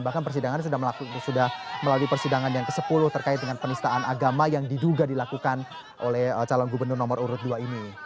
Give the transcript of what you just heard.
bahkan persidangan sudah melalui persidangan yang ke sepuluh terkait dengan penistaan agama yang diduga dilakukan oleh calon gubernur nomor urut dua ini